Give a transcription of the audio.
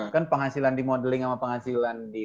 kan penghasilan di modeling sama penghasilan